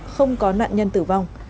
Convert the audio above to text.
không có nạn nhân tử vong